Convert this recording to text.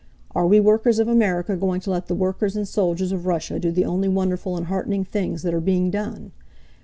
Are we workers of America going to let the workers and soldiers of Russia do the only wonderful and heartening things that are being done?